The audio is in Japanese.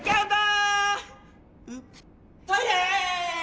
トイレ！